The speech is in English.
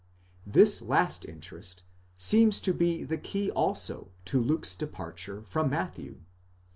This last interest seems to be the key also to Luke's departure from Matthew.